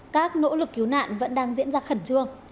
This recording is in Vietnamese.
các nỗ lực cứu nạn vẫn đang diễn ra khẩn trương